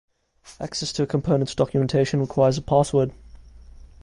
Access to a component's documentation requires a password.